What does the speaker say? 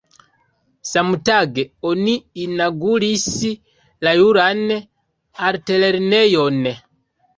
Samtage oni inaŭguris la Juran Altlernejon.